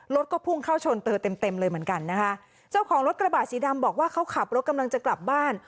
รถก็พุ่งเข้าชนเตอเต็มเต็มเลยเหมือนกันนะคะเจ้าของรถกระบะสีดำบอกว่าเขาขับรถกำลังจะกลับบ้าน